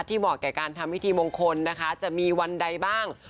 เหมาะแก่การทำพิธีมงคลนะคะจะมีวันใดบ้าง